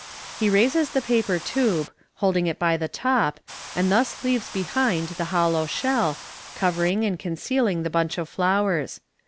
He raises the paper tube, holding it by the top, and thus leaves behind the hollow shell, covering and con cealing the bunch of flowers.